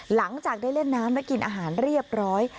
หลังจากได้เล่นน้ำและกินอาหารเรียบร้อย